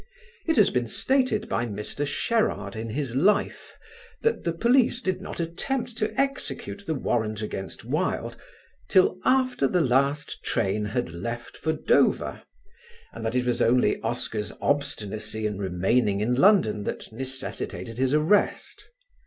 It has been stated by Mr. Sherard in his "Life" that the police did not attempt to execute the warrant against Wilde, "till after the last train had left for Dover," and that it was only Oscar's obstinacy in remaining in London that necessitated his arrest.